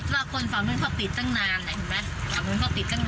โดยอะไรรถคันสจกรถ